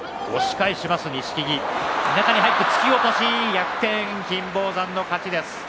逆転、金峰山の勝ちです。